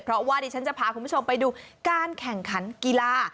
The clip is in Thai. เพราะว่าดิฉันจะพาคุณผู้ชมไปดูการแข่งขันกีฬา